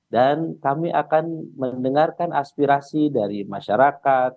dan kami akan mendengarkan aspirasi dari masyarakat